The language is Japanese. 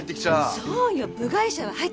そうよ部外者は入っちゃダメ。